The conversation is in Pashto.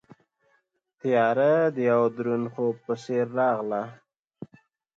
تیاره د یوه دروند خوب په څېر راغله.